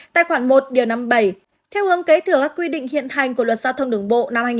tại khoản một năm mươi bảy theo hướng kế thừa các quy định hiện hành của luật giao thông đường bộ năm hai nghìn tám